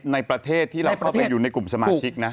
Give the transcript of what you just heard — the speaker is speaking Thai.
ในประเทศที่เราเข้าไปอยู่ในกลุ่มสมาชิกนะ